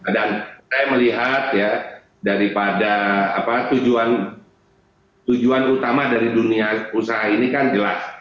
dan saya melihat ya daripada tujuan utama dari dunia usaha ini kan jelas